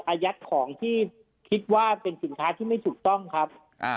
อายัดของที่คิดว่าเป็นสินค้าที่ไม่ถูกต้องครับ